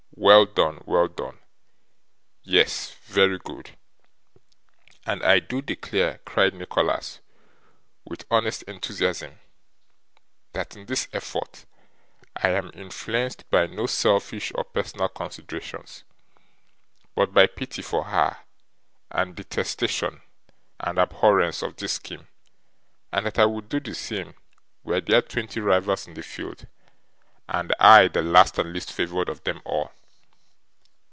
'Well done, well done! Yes. Very good.' 'And I do declare,' cried Nicholas, with honest enthusiasm, 'that in this effort I am influenced by no selfish or personal considerations, but by pity for her, and detestation and abhorrence of this scheme; and that I would do the same, were there twenty rivals in the field, and I the last and least favoured of them all.